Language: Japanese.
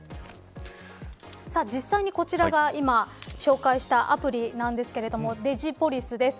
実際に、こちらが今紹介したアプリなんですがデジポリスです。